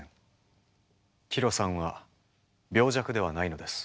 ヒロさんは病弱ではないのです。